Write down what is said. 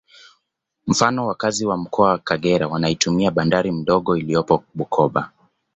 Mfano wakazi wa Mkoa Kagera wanaitumia bandari ndogo iliyopo Bukoba